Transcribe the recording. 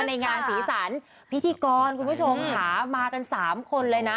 ในงานสีสันพิธีกรคุณผู้ชมค่ะมากันสามคนเลยนะ